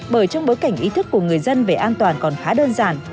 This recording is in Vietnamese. bởi trong bối cảnh ý thức của người dân về an toàn còn khá đơn giản